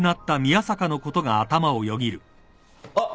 あっ！